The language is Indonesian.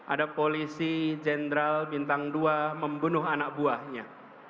ada polisi jenderal bintang dua membunuh anak buahnya